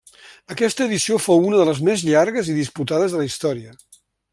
Aquesta edició fou una de les més llargues i disputades de la història.